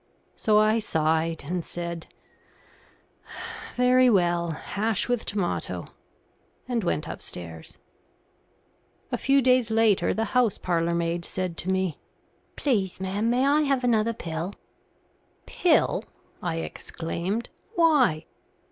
So I sighed, and said "Very well, hash with tomato," and went upstairs. A few days later the house parlourmaid said to me, "Please, ma'am, may I have another pill?" "Pill!" I exclaimed. "Why?"